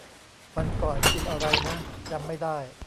วันก่อนกินอะไรนะ จำไม่ได้